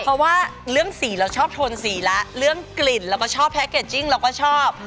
เพราะว่าเรื่องสีเราชอบโทนสีละเรื่องกลิ่นเราก็ชอบแพ็กเกจจิ้งเราก็ชอบ